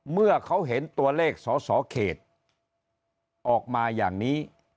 เมื่อเขาเห็นตัวเลขสอสอเขตออกมาอย่างนี้